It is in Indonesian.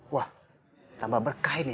wah tambah berkah ini